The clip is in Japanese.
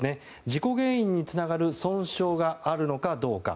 事故原因につながる損傷があるのかどうか。